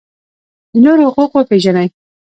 د نورو حقوق وپیژنئ